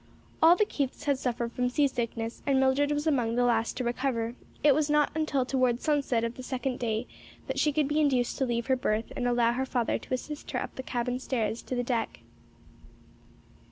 All the Keiths had suffered from sea sickness and Mildred was among the last to recover; it was not until towards sunset of the second day that she could be induced to leave her berth and allow her father to assist her up the cabin stairs to the deck.